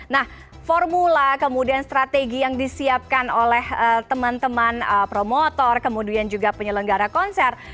nah formula kemudian strategi yang disiapkan oleh teman teman promotor kemudian juga penyelenggara konser